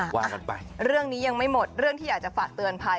ว่ากันไปเรื่องนี้ยังไม่หมดเรื่องที่อยากจะฝากเตือนภัย